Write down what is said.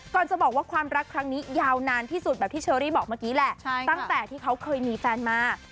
จะบอกว่าความรักครั้งนี้ยาวนานที่สุดแบบที่เชอรี่บอกเมื่อกี้แหละตั้งแต่ที่เขาเคยมีแฟนมา